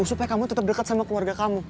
supaya kamu tetap dekat sama keluarga kamu